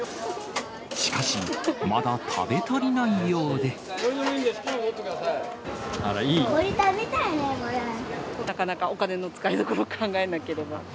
しかし、まだ食べ足りないよこれ、食べたい、なかなかお金の使いどころを考えなければ。